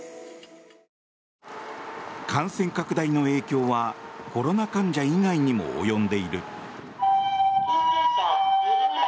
感染拡大の影響はコロナ患者以外にも及んでいる。